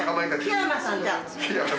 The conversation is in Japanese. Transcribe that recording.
木山さんじゃ。